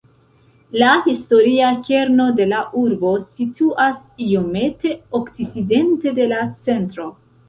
La historia kerno de la urbo situas iomete okcidente de la centro.